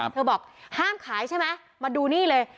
บอกห้ามขายใช่ไหมมาดูนี่เลย